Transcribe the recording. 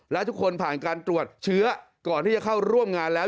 และทุกคนผ่านการตรวจเชื้อก่อนที่จะเข้าร่วมงานแล้ว